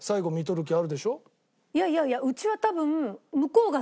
いやいやいやうちは多分。